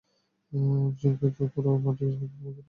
একজন কে তো দেখতে পুরো মাটির পুতুলের মত লাগছে?